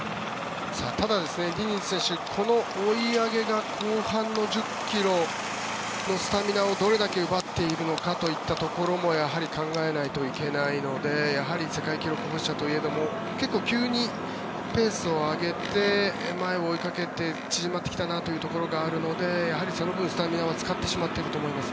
ただ、ディニズ選手この追い上げが後半の１０ｋｍのスタミナをどれだけ奪っているのかというところもやはり考えないといけないのでやはり世界記録保持者と言えども急にペースを上げて前を追いかけて縮まってきたなというところがあるのでその分スタミナは使ってしまっていると思います。